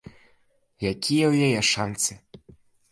Якія ў яе шанцы?